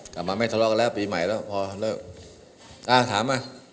กลับมาไม่ทะเลาะแล้วปีใหม่แล้วพอแล้วก็เที่ยวใหม่